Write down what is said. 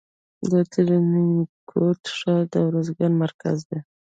د ترینکوټ ښار د ارزګان مرکز دی